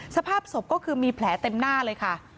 สภาพศพก็คือมีแผลเต็มหน้าเลยค่ะ